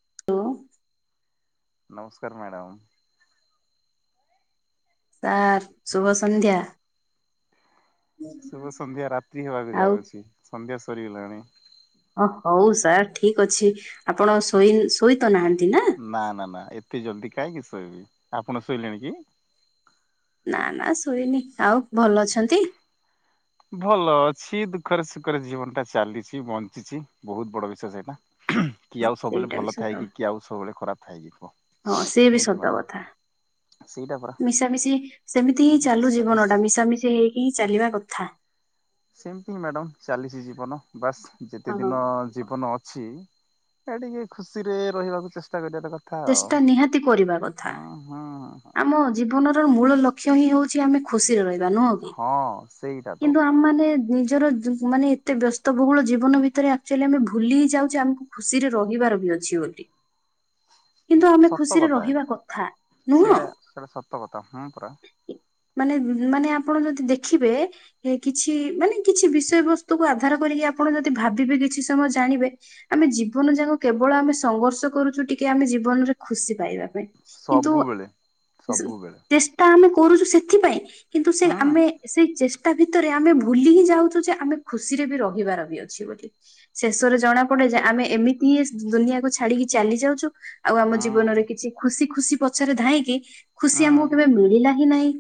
[inaudible] ନମସ୍କାର madam. Sir ଶୁଭ ସନ୍ଧ୍ୟା। ଶୁଭ ସନ୍ଧ୍ୟା ରାତିି ହେବାକୁ ଯାଉଛି ସନ୍ଧ୍ୟା ସରିଗଲାଣି। ଓ ହଉ ସାର୍ ଠିକ ଅଛି ଆପଣ ଶୋଇ ଶୋଇତ ନାହାନ୍ତି ନା ନା ନା ଏତେ ଜଲଦି କାହିଁକି ଶୋଇବି ଆପଣ ଶୋଇଲେଣି କି? ନା ନା ଶୋଇନି ଆଉ ଭଲ ଅଛନ୍ତି? ଭଲ ଅଛି ଦୁଃଖରେ ସୁଖରେ ଜୀବନ ଟା ଚାଲିଛି ବଞ୍ଚିଛି ବହୁତ ବଡ ବିଷୟ ସେଇଟା। ହଁ କିଏ ଆଉ ସବୁବେଳେ ସେଇଟା ବି ଭଲ ସତ ଥାଏ କି କିଏ ଆଉ ସବୁବେଳେ ଖରାପ ଥାଏ କି କୁହ ହଁ ସିଏ ବି କୁହନ୍ତୁ ସତ ମ୍ୟାଡ଼ାମ କଥା। ସେଇଟା ପରା ମିଶାମିଶି ସେମିତି ହିଁ ଚାଲୁ ମିଶା ଜୀବନ ମିଶି। ଟା। ମିଶାମିଶି ହେଇକି ହିଁ ଚାଲିବା କଥା। ସେମିତି ହଁ ମ୍ୟାଡାମ ଚାଲିଛି ଜୀବନ। ବାସ୍ ଯେତେ ହଁ। ଦିନ ଜୀବନ ଅଛି। ସେ ଟିକେ ଖୁସିରେ ରହିବାକୁ ଚେଷ୍ଟା କରିବା। ଗଟେ କଥା ଆଉ। ଚେଷ୍ଟା ନିହାତି କରିବା କଥା। ହୁଁ ହୁଁ ହୁଁ। ଆମ ଜୀବନର ମୂଳ ଲକ୍ଷ୍ୟ ହିଁ ହଉଛି ଆମେ ଖୁସିରେ ରହି ବା ନୁହଁ କି ହଁ ସେଇଟା ତ କିନ୍ତୁ ଆମମାନେ ନି ମାନେ ଏତେ ବ୍ୟସ୍ତବହୁଳ ଜୀବନ ଭିତରେ ଆକ୍ଚୁଆଲି ଆମେ ଭୁଲି ହି ଯାଉଛେ ଆମକୁ ଖୁସିରେ ରହିବାର ବି ନା ଅଛି ବୋଲି କିନ୍ତୁ ଆମେ ସତ ଖୁସିରେ କଥା ରହିବା କଥା। ନୁହଁ ସେଇଟା ସେଇଟା ସତ କଥା ହୁଁ ପରା ମାନେ ମାନେ ଆପଣ ଯଦି ଦେଖିବେ କିଛି ମାନେ କିଛି ବିଷୟ ବସ୍ତୁକୁ ଆଧାର କରିକି ଆପଣ ଯଦି ଭାବିବେ କିଛି ସମୟ ଜାଣିବେ ଆମେ ଜୀବନ ଯାକ କେବଳ ଆମେ ସଂଘର୍ଷ କରୁଛୁ ଟିକେ ଆମେ ଜୀବନରେ ଖୁସି ପାଇବା ପାଇଁ। କିନ୍ତୁ ସବୁବେଳେ ସବୁବେଳେ ଚେଷ୍ଟା ଆମେ କରୁଛୁ ସେଥିପାଇଁ। କିନ୍ତୁ ସେ ହୁଁ ଆମେ ସେଇ ଚେଷ୍ଟା ଭିତରେ ଆମେ ଭୁଲି ହିଁ ଯାଉଛୁ ଯେ ଆମେ ଖୁସିରେ ବି ରହିବାର ବି ଅଛି ବୋଲି। ଶେଷରେ ଜଣା ପଡେ ଯେ ଆମେ ଏମିତି ହିଁ ଦୁନିଆକୁ ଛାଡିକି ଚାଲି ଯାଉଛୁ। ଆଉ ଆମ ଜୀବନରେ ହୁଁ କିଛି ଖୁସି ଖୁସି ପଛରେ ଧାଇଁକି ଖୁସି ଆମକୁ କେବେ ମିଳିଲା। କି ନାଇଁ।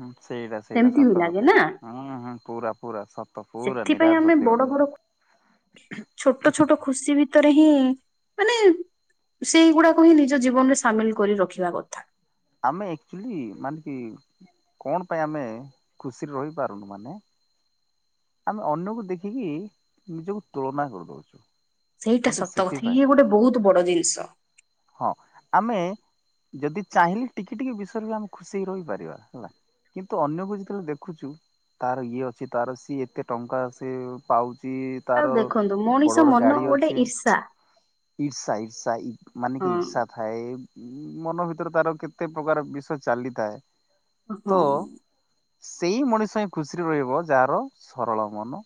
ହଁ ସେଇଟା ସେଇଟା ସତ କଥା। ହୁଁ ହୁଁ ପୁରା ପୁରା ସତ। ତ ପୁରା ସେଥିପାଇଁ ନିରାଟ ଆମେ ସତ୍ୟ ବଡ କଥା ବଡ ସେଇଟା। ଛୋଟ ଛୋଟ ଖୁସି ଭିତରେ ହିଁ ମାନେ ସେଇଗୁଡାକୁ ହିଁ ନିଜ ଜୀବନରେ ସାମିଲ୍ କରି ରଖିବା କଥା। ଆମେ ଆକ୍ଚୁଆଲି ମାନେ କି କଣ ପାଇଁ ଆମେ ଖୁସିରେ ରହିପାରୁନୁ। ମାନେ ଆମେ ଅନ୍ୟକୁ ଦେଖିକି ନିଜକୁ ତୁଳନା କରିଦଉଛୁ। ସେଇଟା ଗୋଟେ ସତ କଥା ସେଥିପାଇଁ ଇଏ ଗୋଟେ ବହୁତ ବଡ ଜିନିଷ। ହଁ ଆମେ ଯଦି ଚାହିଁଲେ ଟିକେ ଟିକେ ବିଷୟରେ ବି ଆମେ ଖୁସି ହେଇ ରହିପାରିବା ହେଲା। କିନ୍ତୁ ଅନ୍ୟକୁ ଯେତେବେଳେ ଦେଖୁଛୁ ତାର ଇଏ ଅଛି। ତାର ସିଏ ଏତେ ଟଙ୍କା ସି ପାଉଛି। ଛି ଆଉ ତାର ଦେଖନ୍ତୁ ମଣିଷ ବଡ ବଡ ମନ ଗାଡି ଅଛି। ଗୋଟେ ଈର୍ଷା। ଈର୍ଷା ଈର୍ଷାଇ ମାନେ ହଁ କି ଈର୍ଷା ଥାଏ। ମନ ଭିତରେ ତାର କେତେ ପ୍ରକାର ବିଷ ଚାଲିଥାଏ। ହଁ। ତ ସେଇ ମଣିଷ ହିଁ ଖୁସିରେ ରହିବ। ଯାହାର ସରଳ ମନ।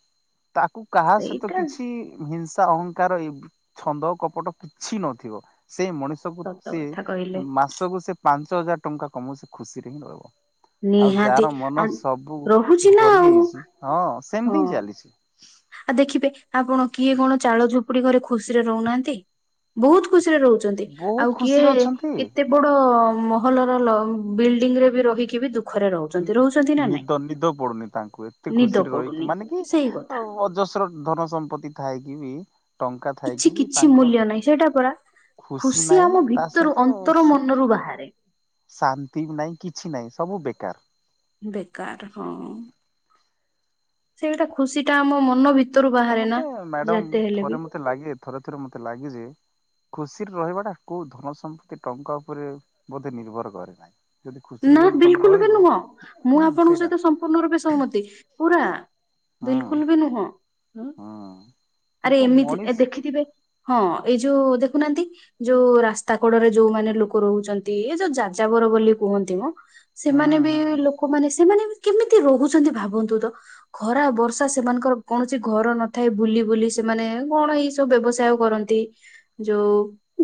ତାକୁ କାହା ସହିତ ସେଇଟା କିଛି ହିଂସା ଅହଂଙ୍କାର ଛନ୍ଦ କପଟ କିଛି ନଥିବ। ସେ ମଣିଷକୁ ସତ ସେ କଥା କହିଲେ ମାସକୁ ସେ ପାଞ୍ଚ ପାଞ୍ଚ ହଜାର ଟଙ୍କା କମଉ ସେ ଖୁସିରେ ହିଁ ରହିବ। ଆଉ ନିହାତି ଯାହାର ମନ ଆ ସବୁ ରହୁଛି ନା ଭରି ଆଉ ଯଇଛି ହଁ ହଁ ସେମିତି ହିଁ ଚାଲିଛି। ଆଉ ଦେଖିବେ ଆପଣ କିଏ କଣ ଚାଳ ଝୁପୁଡି ଘରେ ଖୁସିରେ ରହୁନାହାନ୍ତି। ବହୁତ ଖୁସି ରହୁଛନ୍ତି। ବହୁତ ଆଉ କିଏ ଖୁସିରେ ଅଛନ୍ତି। କେତେ ବଡ ମହଲ ର ବିଲ୍ଡିଂ ରେ ବି ରହିକି ବି ଦୁଖ ନିଦ ନିଦ ପଡୁନି ତାଙ୍କୁ। ଏତେ ନିଦ ଖୁସିରେ ରହିକି ପଡୁନି ମାନେ କି ସେଇ କଥା ଅଜସ ଧନ ସମ୍ପତ୍ତି ଥାଏକି ବି ଟଙ୍କା କିଛି ଥାଇକି ବି କିଛି ତାଙ୍କ ମୂଲ୍ୟ ନାହିଁ ସେଇଟା ପରା। ଖୁସି ନାହିଁ ଆମ ତା ଭିତରୁ ସହିତ ଅନ୍ତର ସୁ ମନରୁ ବାହାରେ। ଶାନ୍ତି ନାହିଁ କିଛି ନାହିଁ ସବୁ ବେକାର। ବେକାର ହଁ। ସେଇଟା ଖୁସି ଟା ଆମ ମନ ଭିତ ତ ମତେ ମ୍ୟାଡମ ଥରେ ମତେ ଲାଗେ। ଥରେ ଥରେ ମତେ ଲାଗେ ଯେ ଖୁସି ରେ ରହିବା ଟା କୋଉ ଧନ ସମ୍ପତ୍ତି ଟଙ୍କା ଉପରେ ବୋଧେ ନିର୍ଭର କରେ ନାହିଁ। ଯଦି ଖୁସିରେ ନା ଯଦି ତମେ ବିଲକୁଲ ବି ରହିବ ନୁହଁ ମୁଁ ହୁଁ ଆପଣଙ୍କ ସେଇଟା ସହିତ ସମ୍ପୂର୍ଣ୍ଣ ରୂପେ ସହମତି ପୁରା। ହୁଁ ବିଲକୁଲ ବି ନୁହଁ। ହଁ ହୁଁ ଆରେ କିନ୍ତୁ ଏମିତି ମଣିଷ ଦେଖିଥିବେ ହଁ ଏଇ ଯୋଉ ଦେଖ। ଦେଖୁନାହାନ୍ତି ଯୋଉ ରାସ୍ତା କଡରେ ଯୋଉମାନୋନେ ଲୋକ ରହୁଛନ୍ତି ଏ ଯୋଉ ଯାଜାବର ବୋଲି କୁହନ୍ତି ମ। ହୁଁ ସେମାନେ ବି ହୁଁ ଲୋକମାନେ ସେମାନେ ବି। କେମିତି ରହୁଛନ୍ତି ଭାବନ୍ତୁ ତ ଖରା ବର୍ଷା ସେମାନଙ୍କର କୌଣସି ଘର ନଥାଏ ବୁଲି ବୁଲି ସେ। ସେମାନେ କଣ ଏଇ ସବୁ ବ୍ୟବସାୟ କରନ୍ତି ଯୋଉ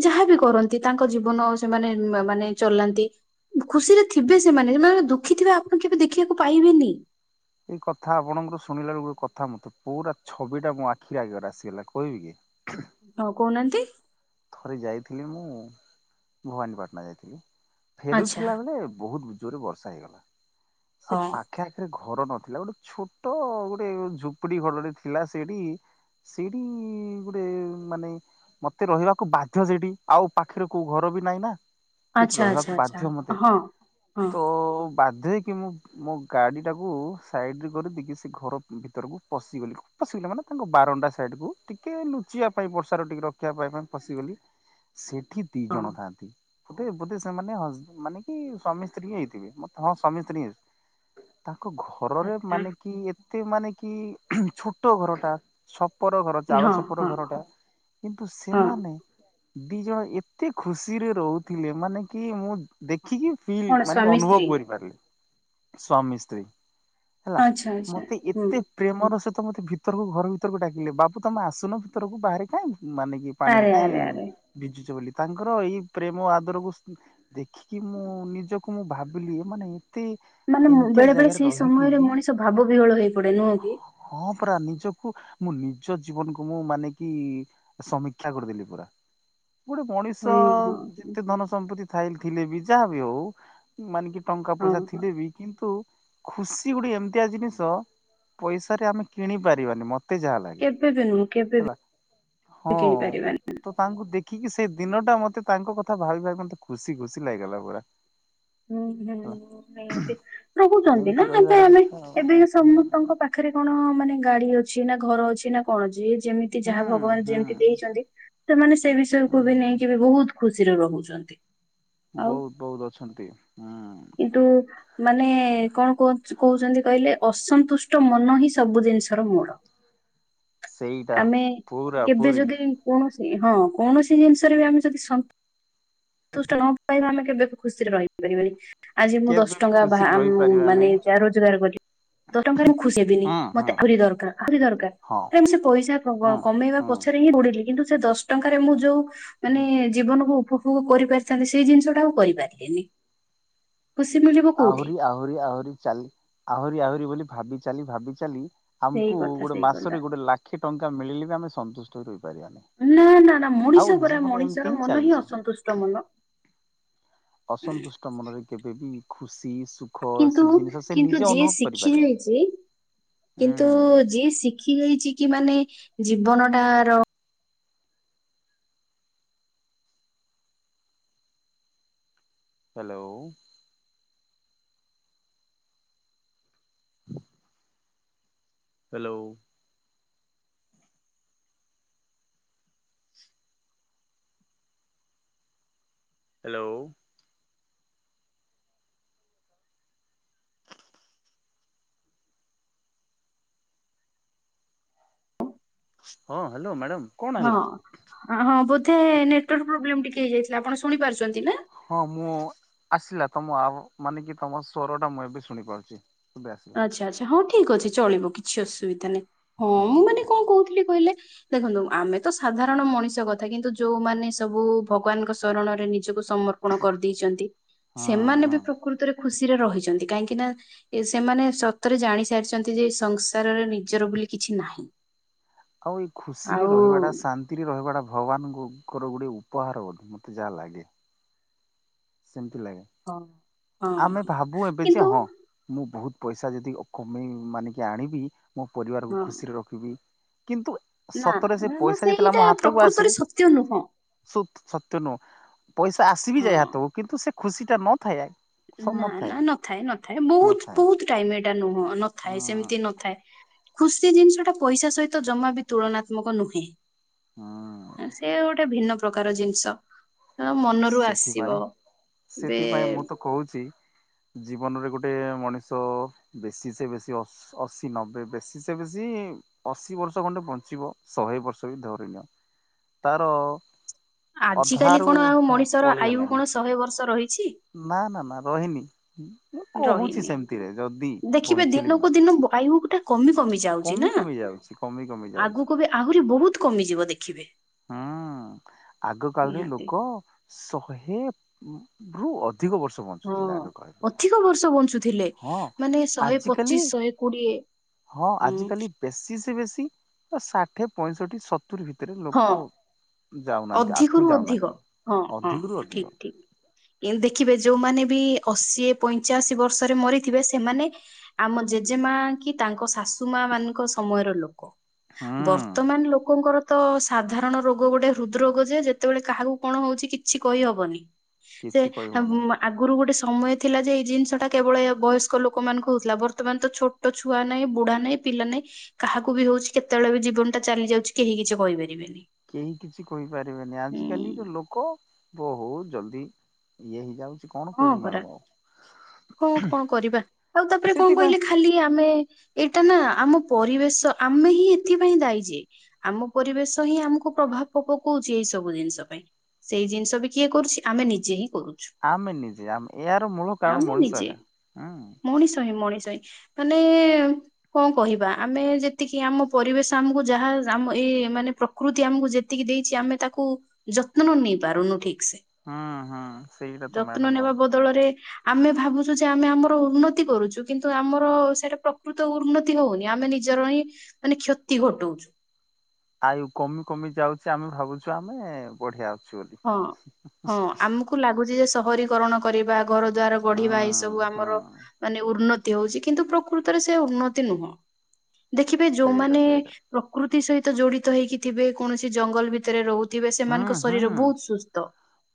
ଯାହାବି କରନ୍ତି ତାଙ୍କ ଜୀବନ। ସେମାନେ ମାନେ ଚଲାନ୍ତି। ଖୁସିରେ ଥିବେ ସେମାନେ ସେଙ୍କ ଦୁଃଖୀ ଥିବେ ଆପଣ କେବେ ଦେଖିବାକୁ ପାଇବେନି। ଏଇ କଥା ଆପଣଙ୍କର ଶୁଣିଲା ବଳଳେ ଗୋଟେ କଥା ମତେ ପୁରା ଛବି ଟା ମୋ ଆଖିରେ ଆଗିବରେ ଆସିଗଲା କହିବି କି। ହଁ କହୁନାହାନ୍ତି। ଥରେ ଯାଇଥିଲି ମୁଁ ଭବାନୀପାଟଣା ଯାଇଥିଲି। ଆଚ୍ଛା ଫେରୁଥିଲା ବେଳେ ବହୁତ ଜୋରରେ ବର୍ଷା ହେଇଗଲା ସେ ହଁ ପାଖେ ଆଖରେ। ଘର ନଥିଲା ଗୋଟେ ଛୋଟ ଗୋଟେ ଝୁପଡି ଘରେ ଥିଲା ସେଠି। ସେଇଠି ଗୋଟେ ମାନେ ମତେ ରହିବା। ବାଧ୍ୟ ସେଠି ଆଉ ପାଖରେ କୋଉ ଘର ବି ନାଇଁ ନା। ସେଠି ଆଚ୍ଛା ଆଚ୍ଛା ରହିବାକୁ ଆଚ୍ଛା ବାଧ୍ୟ ମତେ ହଁ ହଁ ତ ବାଧ୍ୟ ହେକି ମୁଁ ମୋ ଗାଡ଼ିଟାକୁ ସାଇଡ଼ରେ କରି ଦେଇକି ସେ ଘର ଭିତରକୁ ପଶିଗଲି। ପଶିଲା ମାନେ ତାଙ୍କ ବାରଣ୍ଡା ସାଇଡ କୁ ଟିକେ ଲୁଚିବା ପାଇଁ ବର୍ଷା ଟିକେ ରଖିବା ପାଇଁ। ପଶିଗଲି ସେଠି ଦି ହଁ ଜଣ ଥାନ୍ତି। ବୋଧେ ବୋଧେ ସେମାନେ ମାନ କି ସ୍ୱମୀ ସ୍ତ୍ରୀ ହିଁ ହେଇଥିବେ ମତେ ହଁ ସ୍ୱମୀ ସ୍ତ୍ରୀ। ତ। ଘରରେ ଆଚ୍ଛା ମାନେ କି ଏତେ ମାନେ କି ଛୋଟ ଘର ଟା ସ ଚଛପର ଘର ହଁ ଚାଳସପର ହଁ ଘର ଟା କିନ୍ତୁ ହଁ ସେମାନେ। ଦି ଜଣ ଏତେ ଖୁସିରେ ରହୁଥିଲେ ମାନେ କି ମୁଁ ଦେଖ। ଦେଖିକ ଫିଲ୍ କଣ ମାନେ ସ୍ଵାମୀ ଅନୁଭବ ସ୍ତ୍ରୀ? କରିପାରିଲେ ସ୍ୱମୀ ସ୍ତ୍ରୀ। ହେଲା ଆଚ୍ଛା ଆଚ୍ଛା। ମତେ ହୁଁ ଏତେ ପ୍ରେମର ସେ ତ ମତେ ଭିତରକୁ ଘର ଭିତରକୁ ଡାକିଲେ ବାବୁ ତମେ ଆସୁନ ଭିତରକୁ ବାହାରେ କାଇଁ ମାନେ। କି ପାଣିରେ ଆରେ କାହିଁ ଆରେ ଆରେ ଭିଜୁଛ ବୋଲି। ତାଙ୍କର ଏଇ ପ୍ରେମ ଆଦରକୁ ଦେଖିକି ମୁଁ ନିଜକୁ ମୁଁ ଭାବିଲି ମାନେ। ମାନେ ଏମିତିଆ ବେଳେ ବେଳେ ଜାଗାରେ ସେଇ ରହିକି ସମୟରେ ବି ମଣିଷ ଭାବ ବିହଳ ହେଇ ପଡେ ନୁହଁ କି। ହଁ ପରା ନିଜକୁ ମୁଁ ନିଜ ଜୀବନକୁ ମୁଁ ମାନେ କି ସମୀକ୍ଷା କରିଦେଲି ପୁରା। ଗୋଟେ ମଣିଷ ହୁଁ ହୁଁ। ଯେତେ ଧନ ସମ୍ପତ୍ତି ଥାଇ ଥିଲେ ବି ଯାହାବ ହଉ ମାନେ କି। ଟଙ୍କା ହଁ ପଇସା ହଁ ହଁ। ଥିଲେ ବି କିନ୍ତୁ। ଖୁସି ଗୋଟେ ଏମିତିଆ ଜିନିଷ ପଇସରେ ଆମେ କିଣି ପାରିବାନି ମତେ। ଯାହା ଲାଗେ କେବେ ବି ନୁହଁ କେବେବି ହେଲା ନୁହଁ ହଁ। କିଣି ପାରିବନି। ତ ତାଙ୍କୁ ଦେଖିକି ସେ ଦିନ ଟା ମତେ ତାଙ୍କ କଥା ଭାବି ଭାବି ମତେ ଖୁସି ଖୁସି ଲାଗିଗଲା ପୁରା। ହୁଁ ହେଲା ହୁଁ ରହୁଛନ୍ତି ଏମିତି ନା ଏବେ ରହିବାର ଆମେ କଥା ଆଉ ଏବେ ସମସ୍ତଙ୍କ ପାଖରେ। ରେ କଣ ମାନେ ଗାଡି ଅଛି ନା ଘର ଅଛି ନା କଣ ଅଛି ଯିଏ। ଯେମିତି ହୁଁ ଯାହା ଭଗବାନ ହୁଁ ଯେମିତି ଦେଇଛନ୍ତି ସେମାନେ ସେ ବିଷୟ କକୁ ବି ହୁଁ। ନେଇକି ବି ବହୁତ। ଖୁସିରେ ରହୁଛନ୍ତି। ଆଉ ବହୁତ ବହୁତ ଅଛନ୍ତି। ହୁଁ। କିନ୍ତୁ ମାନେ କଣ କହୁଛନ୍ତି କହିଲେ ଅସନ୍ତୁଷ୍ଟ ମନ ହିଁ ସବୁ। ଜିନିଷର ମୋଡ ସେଇଟା ଆମେ ପୁରା କେବେ ପୁରୀ ଯଦି କୌଣସି। ହଁ କୌଣସି ଜିନିଷରେ ବି ଆମେ ଯଦି ସଂ ସନ୍ତୁଷ୍ଟ ନ ପାଇବା ଆମେ କେବେ ଖୁସିରେ ରହିପାରିବାନି। ଆଜି ମୁଁ ଦଶ କେବେ ବି ଟଙ୍କା ବା ଖୁସିରେ ରହିପାରିବା ମାନେ ନାହିଁ ଯ ରୋଜଗାର କଲି। ଦ ଟଙ୍କାରେ ମୁଁ ଖୁସି ହେବିନି ହଁ ହଁ ମତେ ଆହୁରି ଦରକାର ଆହୁରି ଦରକାର। ହଁ କ ସେ ପଇସା ହଁ କମେଇବା ପଛରେ ହଁ ହିଁ ପଡିଲି କିନ୍ତୁ। ସେ ଦଶ ଟଙ୍କାରେ ମୁଁ ଯୋଉ ମାନେ ଜୀବନକୁ। ଉପଭୋଗ କରିପାରିଥାନ୍ତି ସେଇ ଜିନିଷ ଟା ଆଉ କରିପାରିଲେନି? ଆହୁରି ଆହୁରି ଆହୁରି ଚାଲି ଆହୁରି ଆହୁରି ବୋଲି ଭାବି ଚାାଲି ଭାବିଚାଲି ସେଇ ଆମକୁ କଥା ଗୋଟେ ସେଇ କଥା। ମାସରେ ଗୋଟେ ଲାଖେ ଟଙ୍କା ମିଳିଲେ ବି ଆମେ ସନ୍ତୁଷ୍ଟ ରହିବୁ। ନା ନା ନା ମଣିଷ ପରା ଜୀବନ ମଣିଷର ଏମିତି ମନ ହିଁ ଚାଲିଛେ ଅସନ୍ତୁଷ୍ଟ ମନ ଅସନ୍ତୁଷ୍ଟ ମନରେ କେବେବି ଖୁସି ସୁଖ କିନ୍ତୁ ସେ ଜିନିଷ ସେ କିନ୍ତୁ ନିଜେ ଯିଏ ଅନୁଭବ ଶିଖି କରିପାରିବନି ଯାଇଛି ହୁଁ କିନ୍ତୁ ଯିଏ ଶିଖି ଯାଇଛି କି ମାନେ ଜୀବନଟ ର ହ୍ୟାଲୋ! ହ୍ୟାଲୋ! ହ୍ୟାଲୋ! ହଁ ହ୍ୟାଲୋ ମ୍ୟାଡ଼ାମ! କଣ ହେଲା ହଁ ହଁ ବୋଧେ ନେଟୱାର୍କ ପ୍ରୋବ୍ଲେମ୍ ଟିକେ ହେଇଯାଇଥିଲା, ଆପଣ ଶୁଣି ପାରୁଛନ୍ତି? ନା? ହଁ ମୁଁ ଆସିଲା ତମ ମାନେ କି ତମ ସଵର ଟା ମୁଁ ଏବେ ଶୁଣି ପାରୁଛି। ଆଚ୍ଛା ଆଚ୍ଛା ହଁ ଠିକ ଅଛି ଚଳିବ କିଛି ଅସୁବିଧା, ନାହିଁ ହଁ ମୁଁ ହଁ ମାନେ ହଁ। କଣ କହୁଥିଲି କହିଲେ? ଦେଖନ୍ତୁ ଆମେ ତ ସାଧାରଣ ମଣିଷ କଥା କିନ୍ତୁ ଯୋଉମାନେ ସବୁ ଭଗବାନଙ୍କ ଶରଣରେ ନିଜକୁ ସମର୍ପଣ କରିଦେଇଛନ୍ତି ହଁ ସେମାନେ ହଁ। ବି ପ୍ରକୃତରେ ଖୁସିରେ ରହିଛନ୍ତି କାହିଁକି ନା ସେମାନେ ସତରେ ଜାଣି ସାରିଛନ୍ତି ଯେ ସଂସାରରେ ନିଜର ବୋଲି କିଛି ନାହିଁ। ଆଉ ଏଇ ଖୁସିରେ ଆଉ ରହିବା ଟା ଶାନ୍ତିରେ ରହିବାଟା ଭଗବାନଙ୍କୁ ର ଗୋଟେ ଉପହାର ବୋଧେ ମତେ ଯାହା ଲାଗେ ସେମତି ଲାଗେ ହଁ। ହଁ ଆମେ ହଁ ଭାବୁ ଏବେ ଯେ କିନ୍ତୁ ହଁ ମୁଁ ବହୁତ ପଇସା ଯଦି କମେଇ ମାନିକି ଆଣିବି ମୋ ପରିବାରକୁ ହଁ ଖୁସିରେ ରଖିବି କିନ୍ତୁ ନା ସତରେ ସେ ନା ନା ପଇସା ଯେଥିଲା ସେଇଟା ମୋ ହାତକୁ ଆସେ ପ୍ରକୃତରେ ସତ୍ୟ ନୁହଁ ସତ୍ୟ ନୁହଁ ପଇସା ଆସିବି ଯାଏ ହଁ। ହାତକୁ କିନ୍ତୁ ସେ ଖୁସି ଟା ନଥାଏ ଆ ନା ନା ନଥାଏ ନ ଥାଏ ବହୁତ ନଥାଏ ବହୁତ ଟାଇମ ଏଇଟା ନହ ନଥାଏ ହଁ ସେମିତି ନଥାଏ। ଖୁସି ଜିନିଷଟା ପଇସା ସହିତ ଜମା ବି ତୁଳନାତ୍ମକ ନୁହେଁ। ହୁଁ ସେ ଗୋଟେ ଭିନ୍ନ ପ୍ରକାର ଜିନିଷ ମନରୁ ସେଥିପାଇଁ ଆସିବ ଏ ସେଥିପାଇଁ ମୁଁ ତ କହୁଛି [inaudible] ଜୀବନରେ ଗୋଟେ ମଣିଷ ବେଶୀ ସେ ବେଶୀ ଅଶୀ ନବେ ବେଶି ସେ ବେଶୀ ଅଶୀ ବର୍ଷ ଖଣ୍ଡେ ବଞ୍ଚିବ ଶହେ ବର୍ଷ ବି ଧରିଣୀୟ ତାର ଆଜ କାଲି ଅଧାରୁ କଣ ଆଉ ହଁ ମଣିଷର ଆୟୁ ପଳିଗଲାଣି କଣ ଶହେ ବର୍ଷ ରହିଛି। ନା ନା ନା ରହିନି। ମୁଁ କହୁଛି ରହିନି। ସେମିତିରେ ଯଦି ଦେଖିବେ ବଞ୍ଚିଲେ ବି? ଦିନକୁ ଦିନ ଆୟୁ ଟା କମି କମି ଯାଉଛି ନା କମି ଯାଉଛି କମି କମି ଯାଉଛି ଆଗକୁ ବି ଆହୁରି ବହୁତ କମିଯିବ ଦେଖିବେ ହୁଁ ଆଗ କାଳରେ ନିହାତି ଲୋକ ଶହେ ରୁ ଅଧିକ ବର୍ଷ ହଁ ବଞ୍ଚୁଥିଲେ ଆଗ କାଳରେ ଅଧିକ ବର୍ଷ ବଞ୍ଚୁଥିଲେ ହଁ ମାନେ ଶହେ ଆଜିକାଲି ପଚିଶ ଶହେ କୋଡିଏ। ହଁ ଆଜିିକାଲି ବେଶି ସେ ବେଶୀ ଷାଠିଏ ପଇଁଷଠିତ ଭିତରେ ଲୋକ ଯାଉନାହାନ୍ତି ଆଗକୁ ଅଧିକରୁ ଅଧିକ ଯାଉନାହାନ୍ତି। ହଁ ହଁ ଅଧିକରୁୁ ଅଧିକ ଠିକ ଠିକ। ଦେଖିବେ ଯୋଉମାନେ ବି ଅଶୀ ପଇଁଚାଅଶି ବର୍ଷରେ ମରିଥିବେ ସେମାନେ ଆମ ଜେଜେ ମା କି ତାଙ୍କ ଶାଶୁ ମା ମାନଙ୍କ ସମୟର ଲୋକ ହୁଁ ବର୍ତ୍ତମାନ ଲୋକଙ୍କର ତ ସାଧାରଣ ରୋଗ ଗୋଟେ ହୃଦ ରୋଗ ଯେ ଯେତେବେଳେ କାହାକୁ କଣ ହଉଛି କିଛି କହିହବନି। ସେ କିଛି କହିହଉନି। ଆଗରୁ ଗୋଟେ ସମୟ ଥିଲା ଯେ ଏଇ ଜିନିଷ ଟା କେବଳ ଏ ବୟସ୍କ ଲୋକମାନଙ୍କୁ ହଉଥିଲା ବର୍ତ୍ତମାନ ତ ଛୋଟ ଛୁଆ ନାହିଁ ବୁଢା ନାହିଁ। ପିଲା ନାାଇଁ କାହାକୁ ବି ହଉଛି କେତେବେଳେ ବି ଜୀବନ ଟା ଚାଲି ଯାଉଛି କେହି କିଛି କହିପାରିବେନି। କେହି କିଛି କହିପାରିବେନି ଆଜି ହୁଁ କାଲି ତ ଲୋକ ବୋହୁତ ଜଲଦି ଇଏ ହେଇଯାଉଛି କଣ କହିବି ପରା ମ୍ୟାଡାମ ଆଉ। ହଁ କଣ କରିବା ଆଉ ତାପରେ କଣ ସେଥିପାଇଁ କହିଲେ ଖାଲି ଆମେ ଏଇ ସେଟା ନା ଆମ ପରିବେଶ ଆମେ ହିଁ ଏଥିପାଇଁ ଦାୟ ଯେ ଆମ ପରିବେଶ ହିଁ ଆମକୁ ପ୍ରଭାବ ପକ ପକଉଛି ଏଇ ସବୁ ଜିନିଷ ପାଇଁ ସେଇ ଜିନିଷ ବି କିଏ କରୁଛି ଆମେ ନିଜେ ହିଁ କରୁଛୁ ଆମେ ନିଜେ ଆମେ ଏହାର ମୂଳ କାରଣ ଆମେ ମଣିଷ ନିଜେ ଏକା ହୁ। ମଣିଷ ହ ମାନେ କଣ କହିବା ଆମେ ଯେତିକି ଆମ ପରିବେଶ ଆମକୁ ଯାହା ଆମ ଏ ମାନେ ପ୍ରକୃତି ଆମକୁ ଯେତିକି ଦେଇଛି ଆମେ ତାକୁ ଯତତ୍ନ ନେଇ ପାରୁନୁ ଠିକ ସେ ହୁଁ ହୁଁ ସେଇଟା ତମ ଯତ୍ନ ନେବା ବଦଳରେ ଆମେ ଭାବୁଛୁ ଯେ ଆମେ ଆମର ଉନ୍ନତି କରୁଛୁ କିନ୍ତୁ ଆମର ସେଇଟା ପ୍ରକୃତ ଉନ୍ନତି ହଉନି ଆମେ ନି ନିଜର ହିଁ ମାନେ କ୍ଷତି ଘଟଉଛୁ ଆଉ କମି କମି ଯାଉଛି ଆମେ ଭାବୁଛୁ ଆମେ ବଢିଆ ଅଛୁ ବୋଲି। ହଁ ହଁ ଆମକୁ ଲାଗୁଛି ଯେ ସହରୀକରଣ କରିବା। ଘର ଦ୍ୱାର ହୁଁ ଗଢିବା ଏଇ ସବୁ ହୁଁ ଆମର ମାନେ ଉନ୍ନତି ହଉଛି କିନ୍ତୁ ପ୍ରକୃତରେ ସେ ଉନ୍ନତି ନୁହଁ ଦେଖିବେ ସେଇଟା ଯୋଉମାନେ ସେଇଟା ପ୍ରକୃ ତି ସହିତ ଜଡିତ ହେଇକିଥିବେ କୌଣସି ଜଙ୍ଗଲ ଭିତରେ ରହୁଥିବେ ହୁଁ ସେମାନଙ୍କ ଶରୀର ହୁଁ। ବହୁତ ସୁସ୍ଥ।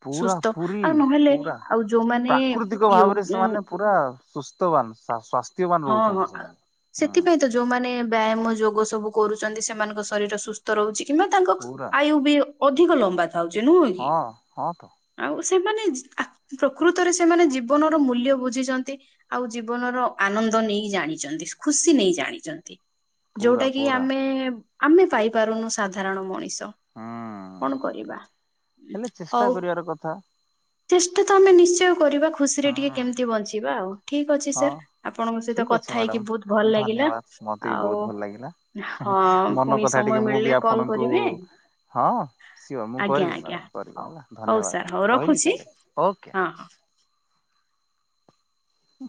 ପୁରା ସୁସ୍ଥ ପୁରୀ ଆଉ ନହେଲେ ପୁରା ଆଉ ଯୋଉମାନେ ପ୍ରାକୃତିକ ଭାବରେ ୟୋ ସେମାନେ ପୁରା ସୁସ୍ଥବାନ। ସ୍ଵାସ୍ଥ୍ୟବାନ ହଁ ହଁ ରହୁଛନ୍ତି ଆ ସେମାନେ ହଁ ସେଥିପାଇଁ ତ ଯୋଉମାନେ ବ୍ୟାୟାମ ଯୋଗ ସବୁ କରୁଛନ୍ତି ସେମାନଙ୍କ ଶରୀର ସୁସ୍ଥ ରହୁଛି କିମ୍ବା ତାଙ୍କ ପୁରା ଆୟୁ ବି ଅଧିକ ଲମ୍ବା ଥାଉଛି ନୁ ହଁ ହଁ ତ। ସେମାନେ ଆ ପ୍ରକୃତରେ ସେମାନେ ଜୀବନର ମୂଲ୍ୟ ବୁଝିଛନ୍ତି ଆଉ ଜୀବନର ଆନନ୍ଦ ଆନ୍ଦ ନେଇ ଜାଣିଛନ୍ତି ଖୁସି ନେଇ ଜାଣିଛନ୍ତି। ପୁରା ଯୋଉଟା କି ପୁରା ଆମେ ଆମେ ପାଇପାରୁନୁ ସାଧାରଣ ମଣିଷ ହୁଁ। କଣ କରିବା? ଉଁ, ହେଲେ ଚେଷ୍ଟା ହଉ କରିବାର କଥା। ଚେଷ୍ଟା ତ ଆମେ ନିଶ୍ଚୟ କରିବା ଖୁସି ରେ ଟିକେ ହୁଁ କେମିତି ବଞ୍ଚିବା ଆଉ ଠିକ ଅଛି ହଁ ସାର୍ ଆପଣଙ୍କ ସହିତ ଠିକ ଅଛି କଥା ମ୍ୟାଡାମ। ହେଇକି ବହୁତ ଭଲ ଲାଗିଲା। ଧନ୍ୟବାଦ ମତେ ବି ଆଉ ବହୁତ ଭଲ ଲାଗିଲା ହଁ ମନ ପୁଣି କଥା ସମୟ ଟିକେ ମୁଁ ମିଳିଲେ ବି କଲ୍ ଆପଣଙ୍କୁ କରିବେ ହଁ ସିଏ ମୁଁ ଆଜ୍ଞା କରିବି ଆଜ୍ଞା ମ୍ୟାଡାମ କରିବି ହଉ ହେଲା ହଉ ସାର୍ ହଉ ଧନ୍ୟବାଦ ରଖୁଛି ରହିଲି। ଓକେ। ହଁ ହ